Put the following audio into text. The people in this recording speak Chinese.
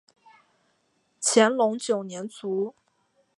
乾隆九年卒。